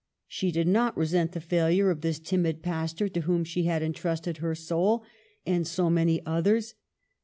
She did not resent the failure of this timid pastor to whom she had intrusted her soul and so many oth ers.